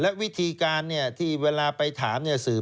และวิธีการที่เวลาไปถามเนี่ยสื่อ